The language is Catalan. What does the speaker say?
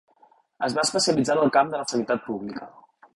Es va especialitzar en el camp de la Sanitat Pública.